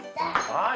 はい！